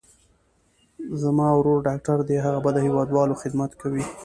زما ورور ډاکټر دي، هغه به د هېوادوالو خدمت کوي.